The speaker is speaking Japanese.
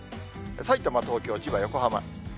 さいたま、東京、千葉、横浜。